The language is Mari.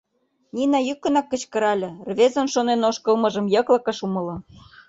— Нина йӱкынак кычкырале, рвезын шонен ошкылмыжым йыклык ыш умыло...